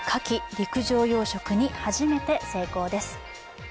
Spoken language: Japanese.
陸上養殖に初めて成功です。